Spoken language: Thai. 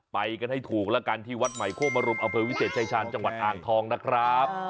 ไปกันให้ถูกแล้วกันที่วัดใหม่โคกมรุมอำเภอวิเศษชายชาญจังหวัดอ่างทองนะครับ